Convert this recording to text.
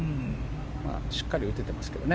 しっかり打ててますけどね。